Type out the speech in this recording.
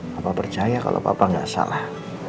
bapak percaya kalau papa nggak salah